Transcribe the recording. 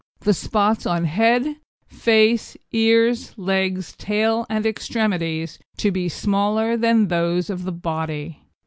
The spots on head, face, ears, legs, tail, and extremities to be smaller than those on the body.